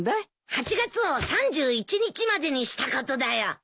８月を３１日までにしたことだよ。